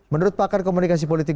menurut pakar komunikasi politik